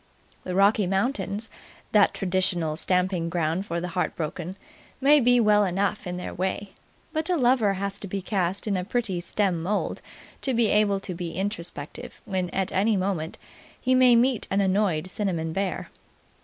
The Rocky Mountains, that traditional stamping ground for the heartbroken, may be well enough in their way; but a lover has to be cast in a pretty stern mould to be able to be introspective when at any moment he may meet an annoyed cinnamon bear.